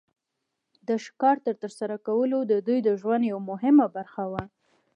د ښکار تر سره کول د دوی د ژوند یو مهمه برخه وه.